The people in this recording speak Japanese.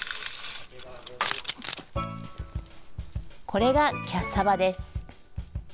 これがキャッサバです。